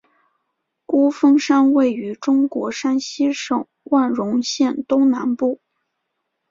孤峰山位于中国山西省万荣县东南部。